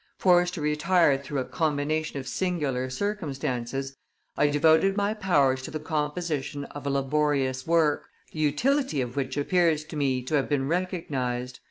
Forced to retire through a combination of singular circumstances, I devoted my powers to the composition of a laborious work, the utility of which appears, to me to have been recognized.